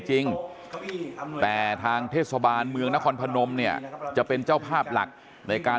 จริงแต่ทางเทศบาลเมืองนครพนมเนี่ยจะเป็นเจ้าภาพหลักในการ